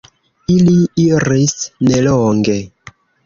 Ili iris nelonge.